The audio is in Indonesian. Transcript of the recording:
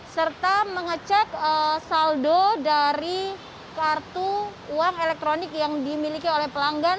serta mengecek saldo dari kartu uang elektronik yang dimiliki oleh pelanggan